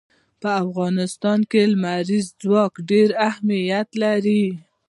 په افغانستان کې لمریز ځواک ډېر اهمیت لري.